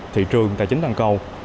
thị trường tài chính toàn cầu